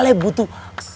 tapi dia juga takut